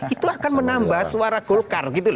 itu akan menambah suara golkar